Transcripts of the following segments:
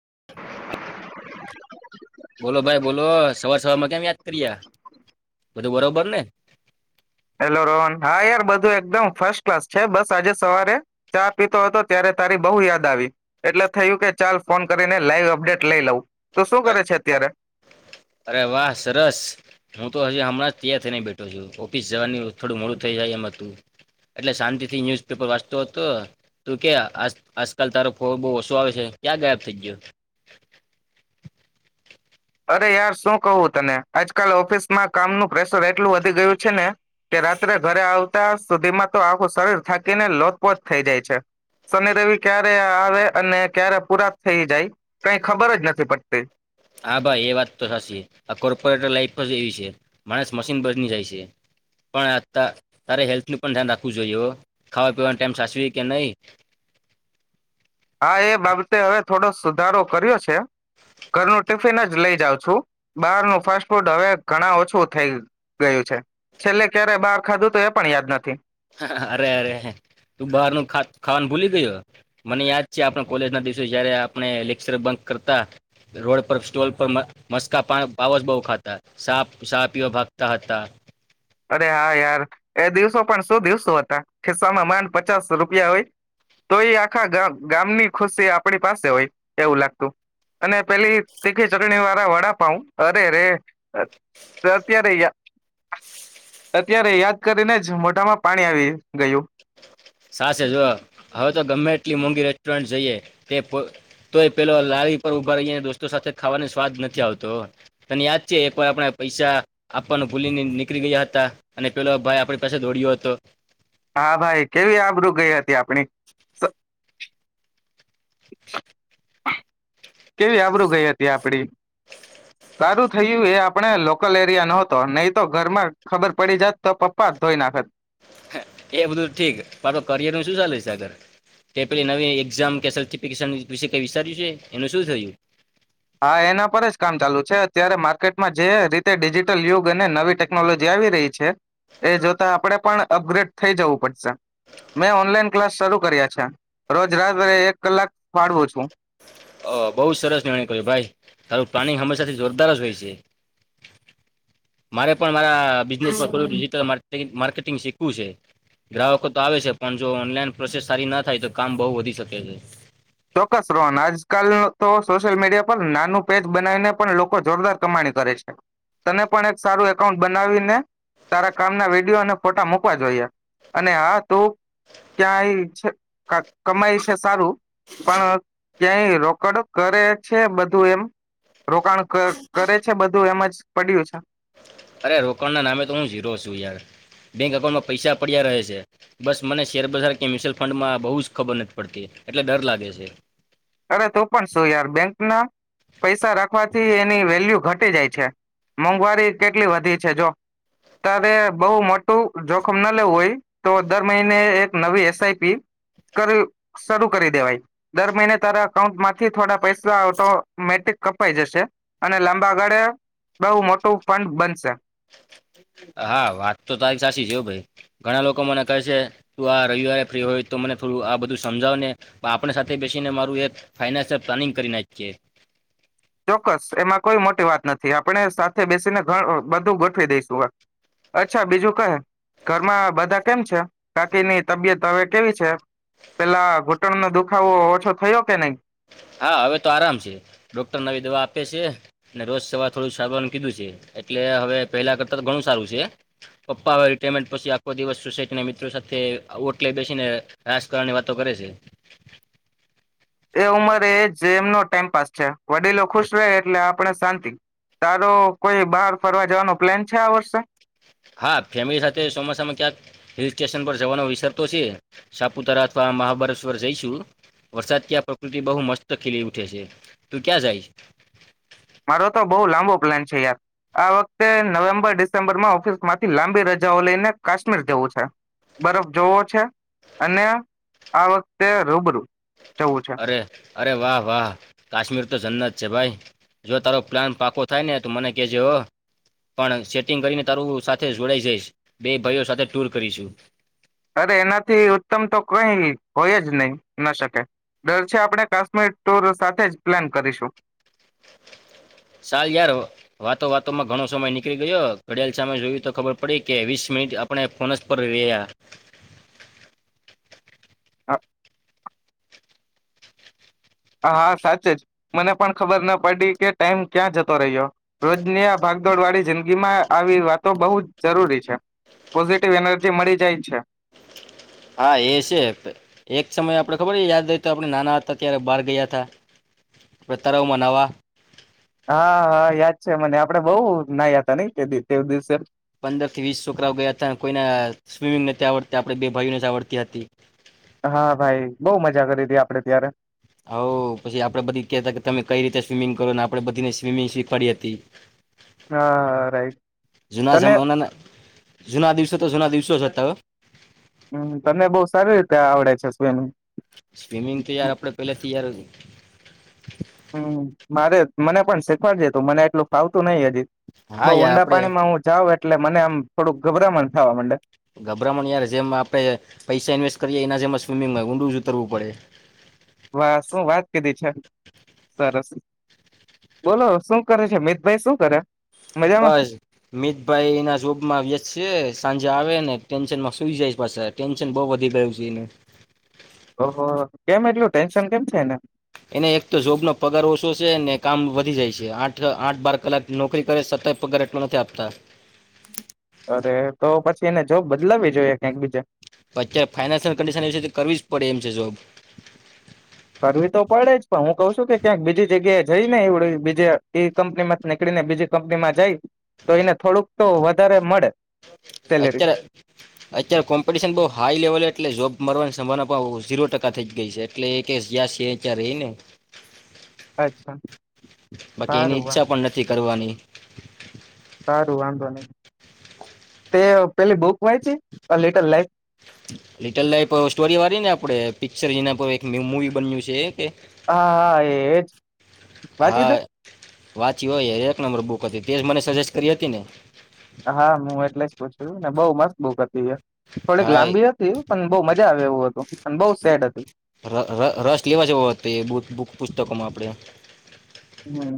[unintelligible] ભાઈ બોલો સવાર સવારમાં કેમ યાદ કર્યા બધું બરોબર ને હેલો રોહન હા યાર બધું એક એકદમ ફસ્ટ ક્લાસ છે બસ આજે સવારે ચા પીતો હતો ત્યારે તારી બહુ યાદ આવી એટલે થયું કે ચાલ ફોન કરીને લાઈવ અપડેટ લઈ લઉું. તો શું કરે છે. અરે વાહ સરસ હું તો હજી હમણાં જ તૈયાર થઈને બેઠો છું ઓફિસ જવાની થોડું મોડું થઈ જાય એમ હતું એટલે શાંતિ થી ઇંગ્લિશ ન્યૂઝપેપર વાંચતો હતો. તું કે આજ આજકાલ તારો ફોન બહુ ઓછો આવે છે ક્યાં ગાયબ થઈ ગયો. અરે યાર શું કવું તને આજકાલ ઓફિસમાં કામનું પ્રેશર એટલું વધી ગયું છે ને કે રાત્રે ઘરે આવતા સુધીમાં તો આખું શરીર થાકીને લોતપોચ થઈ જાય છે શનિ રેવિ ક્યારે આવે અને ક્યારે પૂરા થઈ જાય કઈ ખબર જ નથી પડતી. હા ભાઈ એ વાત તો સાચી આ કોર્પોરેટ લાઈફ જ એવી છે. માણસ મશીન બની જાય છે, પણ તારે હેલ્થનું પણ ધ્યાન રાખવું જોઈ હો. ખાવા પીવાની ટેમ સાચવી કે નહી. હા એ બાબતે હવે થોડો સુધારો કર્યો છે. ઘરનું ટિફિન જ લઈ જાઉં છું બહાર નો ફાસ્ટ ફૂડ હવે ઘણા ઓછું થઈ ગયું છે. છેલ્લે ક્યારે બાર ખાધું તો એ પણ યાદ નથી. હ, હ અરે અરે તું બહાર નું ખા ખાવાનું ભૂલી ગયો મને યાદ જે આપણા કોલેજ ના દિવસે જયારે આપણે લેક્ચર બંક કરતા રોડ પર સ્ટોલ પર માં મસ્કા પા પાવ જ બહુ ખાતા. સાપ સાપીઓ ભક્તા હતા. અરે હા યાર એ દિવસો પણ શું દિવસો હતા ખિસ્સામાં માંડ પચાસ રૂપિયા હોય તો એ આખા ગામ ગામની ખુશી આપણી પાસે હોય એવું લાગતું અને પેલી તીખી ચટણી વાળા વડાપાઉં અરે રે અત્યારે યા અત્યારે યાદ કરીને જ મોઢામાં પાણી આવી ગયું. સાસે જુઓ હવે તો ગમે એટલી મોંઘી રેસ્ટોરન્ટ જઈએ તે પ તો એ પેલો લારી પર ઉભા રહીયે દોસ્તો સાથે ખાવાનો સ્વાદ નથી આવતો. તને યાદ છે, એકવાર આપણે પૈસા આપવાનું ભૂલીને નીકળી ગયા હતા અને પેલો ભાઈ આપણી પાસે દોડયો હતો. હા ભાઈ કેવી આબરૂ ગઈ તે આપણે સા [unintelligible] કેવી આવરું ગઈ હતી આપડી સારું થયું એ આપ આપણે લોકલ એરિયા ન હતો નહીં તો ઘર માં ખબર પડી જત, તો પપ્પા ધોઈ નાખત. હે એ બધું ઠીક પણ તો કરિયર ન શું ચાલે છે? આગળ કે પેલી નવી એક્ઝામ કે સર્ટિફિકેશન વિશે કઈ વિચાર્યું છે? એનું શું થયું? હા એના પર જ કામ ચાલુ છે અત્યારે માર્કેટમાં જે રીતે ડિજિટલ યુગ અને નવી ટેકનોલોજી આવી રહી છે. એ જોતા આપડે પણ અગ્રેડ થઈ જવું પડશે મે ઓનલાઇન ક્લાસ શરૂ કર્યા છે રોજ રાત્રે એક કલાક ફાળવું છું. અ બહુ જ સરસ નિર્ણય કર્યો ભાઈ તારું પ્લાનિંગ હંમેશાથી જોરદાર જ હોય છે. મારે પણ આ બિઝનેસ [unintelligible] ડિજિટલમાર્કેટિંગ માર્કેટિંગ શીખવું છે ગ્રાહકો તો આવે છે પણ જો ઓનલાઈન પ્રોસેસ સારી ના થાય તો કામ બહુ વધી શકે છે. ચોક્કસ રોહન આજકાલ તો સોશિયલ મીડિયા પર નાનું પેજ બનાવીને પણ લોકો જોરદાર કમાણી કરે છે તને પણ એક સારું એકાઉન્ટ બનાવીને તારા કામના વિડિયો અને ફોટા મૂકવા જોઈએ અને હા તું ક્યાંય છે ક કમાય છે સારું પણ ક્યાંય રોકડ કરે છે બધું એમ રોકાણ કરે છે બધું એમ જ પડ્યું છે. અરે રોકાણના નામે તો હું ઝીરો છું યાર બેંક એકાઉન્ટ પૈસા પડ્યા રહે છે બસ મને શેરબજાર કે મ્યુચ્યુઅલ ફંડમાં બહુ જ ખબર નથી પડતી એટલે ડર લાગે છે. અરે તો પણ શું યાર બેંકના પૈસા રાખવાથી એની વેલ્યુ ઘટી જાય છે મોંઘવારી કેટલી વધી છે જો તારે બહુ મોટું જોખમ ના લેવું હોય તો દર મહિને એક નવી એસ આઈ પી કર્યું શું. શરૂ કરી દેવાય દર મહિને તારા અકાઉન્ટ માંથી થોડા પૈસા ઓટોમેટીક કપાઈ જશે અને લાંબા ગાળે બહુ મોટું ફંડ બનશે. હા વાત તો તારી સાચી છે એવું ભાઈ ઘણા લોકો મને કહે છે તું આ રવિવારે ફ્રી હોય તો મને થોડું આ બધું સમજાવ ને આપણે સાથે બેસીને મારું એક ફાઈનાન્સલ પ્લાનિંગ કરી નાખી. ચોક્કસ એમાં કોઈ મોટી વાત નથી આપણે સાથે બેસીને ગા બધું ગોઠવી દઈશું અચ્છા બીજું કહે ઘરમાં બધા કેમ છે? કાકીની તબિયત હવે કેવી છે? પેલા ઘૂંટણનો દુખાવો ઓછો થયો કે નહી? હા, હવે તો આરામ છે, ડોક્ટર નવી દવા આપે છે અને રોજ સવાર થોડું ચાલવાનું કીધું છે, એટલે હવે પહેલા કરતાં તો ઘણું સારું છે પપ્પા હ રિાયરમેન્ટ પછી આખો દિવસ સુસે ને મિત્રો સાથે વોટ લઈ બેસીને રાજકારણ ની વાતો કરે છે એ ઉમરે એ જેમનો ટાઈમ પાસ છે વડીલો ખુશ રહે એટલે આપ આપણે શાંતિ, તારો કોઈ બહાર ફરવા જવાનો પ્લેન છે, આ વર્ષે હા, ફેમિલી સાથે ચોમાસામાં ક્યાંક હિલ સ્ટેશન પર જવાનો વિચાર તો સે સાપુતારા અથવા મહાબલેશ્વર જઈશું વરસાદથી આ પ્રકૃતિ બહુ મસ્ત ખીલી ઉઠે સે તું ક્યાં જાય મારો તો બહુ લાંબો પ્લાન છે યાર આ વખતે નવેમ્બર ડિસેમ્બર માં ઓફિસ માંથી લાંબી રજાઓ લઈને કાશ્મીર જવું છે બરફ જોવો છે અને આ વખતે રૂબરૂ જવું છે અરે અરે વાહ વાહ કાશ્મીર તો જન્નત છે ભાઈ જો તારો પ્લાન પાકો થાય ને તો મને કેજે હ પણ સેટિંગ કરીને તારું સાથે જોડાઈ જઈશ બે ભાઈઓ સાથે ટુલ કરીશું. અરે એનાથી ઉત્તમ તો કઈ હોય જ નહી ન શકે ડર છે આપણે કાશ્મીર ટુર સાથે જ પ્લાન કરીશું. ચાલ યાર વાતો વાતોમાં ઘણો સમય નીકળી ગયો ઘડિયાળ સામે જોયું તો ખબર પડી કે વીસ મિનિટ આપણે ફોન સ પર રહ્યા. હા હા સાચે જ મને પણ ખબર ન પડી કે ટાઈમ ક્યાં જતો રહ્યો રોજની આ ભાગદોડ વાળી જિંદગીમાં આવી વાતો બહુ જ જરૂરી છે પોઝિટિવ એનર્જી મળી જાય છે. હા એ સે એક સમય આપડે ખબર યાદ તા આપણે નાના હતા ત્યારે બહાર ગયા હતા. પતારાવ મનાવા. હા હા યાદ છે મને આપડે બઉ નાયા હતા નઈ કે તે દિવસે પંદરથી વીસ છોકરાઓ ગયા તા કોઈના સ્વિમિંગ નથી આવડતા આપડે બે ભાઈઓને જ આવડતી હતી. હા ભાઈ બહુ મજા કરી તી આપડે ત્યારે. હાવ પછી આપડે બધી કહેતા કે તમે કઈ રીતે સ્વિમિંગ કરો ને આપડે બધીને સ્વિમિંગ શીખવાડી હતી. હા રાઈટ જૂના તને જમાનાના જૂના દિવસો તો જૂના દિવસો જ હતા હો. હમ તને બઉ સાર રીતે આ આવડા છે સ્વિમિંગ. સ્વિમિંગ તો યાર આપડે પહેલા તૈયાર. હમ. મારે મને પણ શીખવાડ જે તું મને એટલું ફાવતું નઈ હદી. બઉ હા યાર ઊંડા આપણે પાણીમાં હું જાઉ એટલે મને આમ થોડુંક ગભરામણ થાવા મંડે. ગભરામણ યાર જેમ આપડે પૈસા ઇન્વેસ્ટ કરીએ એના જેમાં સ્વિમિંગમાં ઊંડું જ ઉતરવું પડે. વા શું વાત કીધી છે સરસ બોલો શું કરે છે મિતભાઈ શું કરે? મજામાં બસ મિતભાઈના શોભમાં વ્યસ સે સાંજે આવે ને ટેન્શનમાં સુઈ જાઈશ પાસા ટેન્શન બઉ વધી ગયું છે એને ઓહો કેમ એટલું ટેન્શન કેમ છે એને? એને એક તો જોબનો પગાર ઓછો સે ને કામ વધી જાય સે આઠ આઠ બાર કલાક નોકરી કરે સતાંય પગાર એટલો નથી આપતા. અરે તો પછી એને જોબ બદલાવી જોઈએ ક્યાંક બીજા. અત્યારે ફાઈનાન્શિયલ કન્ડિશન એવી છે કે કરવી જ પડે એમ છે જોબ. કરવી તો પડે જ પણ હું કઉ છું કે ક્યાંક બીજી જગ્યાએ જઈ ને એવડે બીજે તે કંપનીમાંથી નીકળી ને બીજી કંપનીમાં જાઈ તો એને થોડુંક તો વધારે મળે. સેલેરી અત્યારે-અત્યારે કોમ્પિટિશન બહુ હાઈ લેવલ એટલે જોબ મરવાની સંભના પણ ઝીરો ટકા થઈ જ ગઈ છે, એટલે એ કે જ્યાં છે ત્યાં રે ને અચ્છા બાકી એની સારું વા ઈચ્છા પણ નથી કરવાની. [inaudible] સારું વાંધો નહી તે પેલી બુક વાંચી little life little life story વાળી ને આપડે પિક્ચર જેના પર એક મુવી બન્યું છે. કે હા, હા એજ વાંચી હા તે? વાંચી હોય એક નંબર બુક હતી તેજ મને સજેસ્ટ કરી હતી ને. હા હું એટલે જ પૂછું ને બઉુ મસ્ત બુક હતી હ થોડીક હા એ લાંબી હતી પણ બહુ મજા આવે એવું હતું અને બહ સેડ હતી. ર- તોકોમાં આપણે આ હમ્મ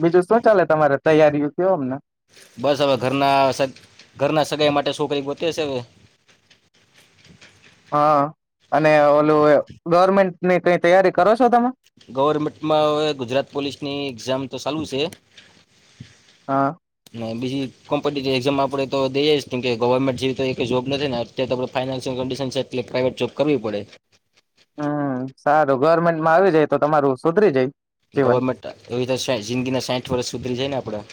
બીજું શું ચાલે તમારે તૈયારીઓ કેવ અમને બસ હવે ઘરના સ ઘરના સગાઈ માટે છોકરી ગોત્યે સે હવે હા, અને ઓલું ગવર્મેન્ટની કઈ તૈયારી કરો છો તમે? ગવર્મેન્ટમાં હવે ગુજરાત પોલીસની એક્ઝામ તો ચાલુ સે. હા. બીજી કોમ્પિટિવ એક્ઝામ આપે તો દઈએ કે ગવર્મેન્ટ જેવી એક જોબ નથી ને અત્યારે તો આપણે ફાઈનાન્શિયલ કન્ડિશન છે એટલે પ્રાાઈવેટ જોબ કરવી પડે. હમ સારું ગવર્મેન્ટમાં આવી જાય તો તમારું સુધરી જાય. જીવન ગવર્મેન્ટ એવી જિંદગી ના સાહીઠ વર્ષ સુધરી જાય ને આપડે.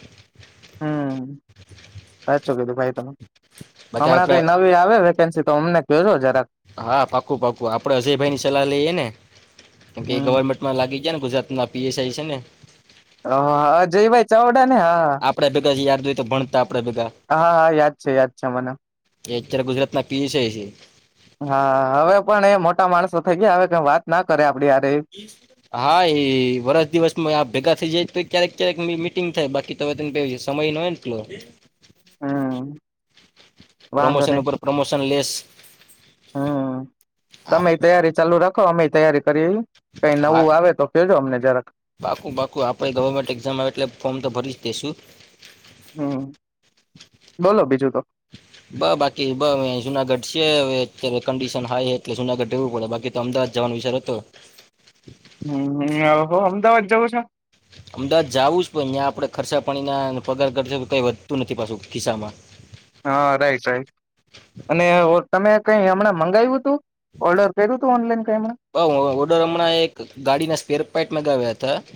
હમ, સાચું કીધું ભાઈ તો બાકી હમણાં આપણે કઈ નવી આવે તો અમને કો જરા. હા પાાકું પાાકું આપડે અજય ભાઈ ની સલાહ લઈએ ને કે હમ ગવર્મેન્ટમાં લાગી ગ્યા ને ગુજરાત ના પીએસઆઈ છે ને. હ અજય ભાઈ ચાવ આપડે ભેગા યા તો ભણતા આપડે ભેગા હા હા યાદ છે યાદ છે મને. એ અત્યારે ગુજરાત ના પીએ છે. હા હવે પણ એ મોટા માણસો થઈ ગયા હવે વાત ના કરે આપ. હા એ વરષ દિવસમાં આ ભેગા થઇ જાય તે ક્યારેક ક્યારેક મિટિંગ થાય બાકી ત તને સમય ન એટલો. હમ વાંધો પ્રમોશન નહી ઉપર પ્રમોશન લેસ હમ તમે તૈયારી ચાલુ રાખ અમે તૈયારી કઈ હા નવું આવે તો કેજો અમને. જરાક બાકુ બાકુ આપણે ગવર્મેન્ટ એક્ઝામ આવે એટલે ફોર્મ તો ભરી જ દેશુ હમ બોલો બીજું તો બ બાકી બ જુનાગઢ છે. અત્યારે કંડિશન હાય એટલે જુનાગઢ જવું પડે બાકી તો અમદાવાદ જવાનો વિષાર હતો. હમ અમદાવાદ જવું છો. અમદાવાદ જઉું જ પણ અહી્યાં આપડણે ખર્સા પાણીના પગાર કરશ કઈ વધતું નથી પાછું ખિસ્સામાં. હા રાઈટ રાઈટ અને તમે કઈ હમણાં મંગાવ્યું હતું ઓર્ડર કર્યું હતું ઓનલાઈન? કઈ હમણાં બ વડોરમણાએ એક ગાડીના સ્પેરપેટમાં ગાવ્યા હતા. ત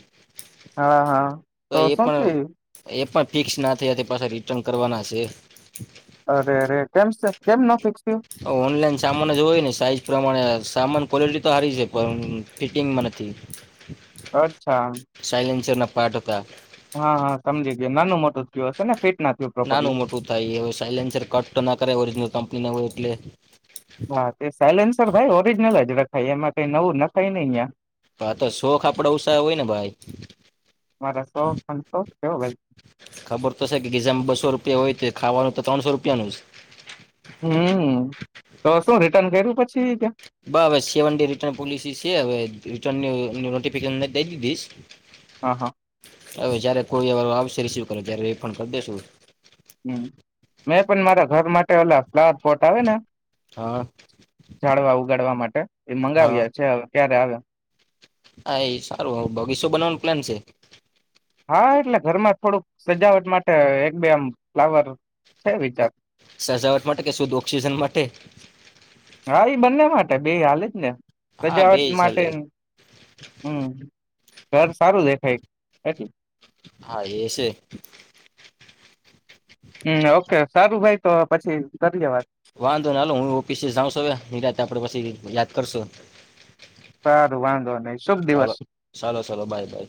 હા હા. તો એ શું પણ થયું એ પણ ફિક્સ ના થયા તે પાછા રિટર્ન કરવાના હશે. અરે અરે કેમ કેમ ન ફિકસ થીયુ? ઓનલાઈન સામાન જ હોય ને સાઈઝ પ્રમાણે સામાન ક્વોલિટી તો સારી છે પણ ફિટિંગમાં નથી. અચ્છા. સાયલેન્સરના પાર્ટ ટા હા હા સમજી ગયો નાનું મોટું જ કયો હશે ને ફીટ નાનું મોટું થાય એ સાયલેન્સર કટ તો ના કરે ઓરિજનલ કંપનીને હોય એટલે હા તે સાયલેન્સર ભાઈ ઓરિજનલ જ ખાઈ એમાં કઈ નવું નખાય નને અહિયાં. હા તો શોખ આપડ ઉછાય હોય ને ભાઈ. કેવ ભાઈ ખબર તો છે કે ગીઝામાં બસો રૂપિયા હોય તો ખાવાનું તો ત્રણસો રૂપિયાનું જ. હમ્મ તો શું રિટર્ન કર્યું પછી ત્યા? બ હવે સેવન ડે રિટર્ન પોલિસી છે હવે રિટર્ન ફિકનને દ દીધશ હા હા હવે જયારે કોઈ વાર આવશે રિસીવ કરે ત્યારે રિફડ કરી દેસું. હમ્મ મેં પણ મારા ઘર માટે ઓલા ફ્લાવર ફર્ટ આવે ને હા જાડવા ઉગાડવા માટે એ હા મંગાવ્યા છે હવે ક્યારે આવે્યા હા એ સારું બગીચું બનવાનું પ્લાન છે. હા એટલે ઘરમાં થોડુંક સજાવટ માટે એક બે આમ ફ્લાવર છે વિચાર. સજાવટ માટે કે શુદ્ધ ઓક્સિજન માટે. હા એ બંને માટે બે હલે જ ને. હા બે સજાવટ માટે ચાલે હમ ઘર સારું દેખાય એટલે હા એ છે. હમ ઓકે સારું ભાઈ તો પછી કરી લેવા વાંધો નઈ હાલો હું ઓફિસે જાઉંશું હવે નિરાતે આપણે પછી યાદ કરશો સારું વાંધો નહી શુભ દિવસ ચાલો ચાલો બાય બાય